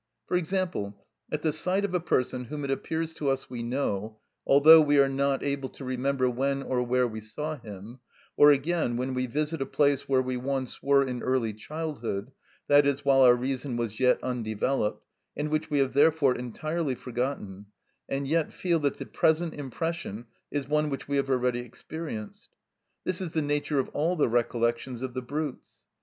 For example, at the sight of a person whom it appears to us we know, although we are not able to remember when or where we saw him; or again, when we visit a place where we once were in early childhood, that is, while our reason was yet undeveloped, and which we have therefore entirely forgotten, and yet feel that the present impression is one which we have already experienced. This is the nature of all the recollections of the brutes.